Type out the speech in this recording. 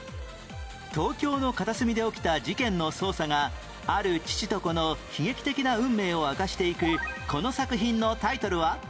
東京の片隅で起きた事件の捜査がある父と子の悲劇的な運命を明かしていくこの作品のタイトルは？